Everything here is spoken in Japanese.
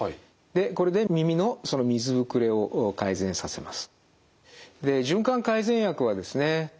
でこれで耳の水ぶくれを改善させます。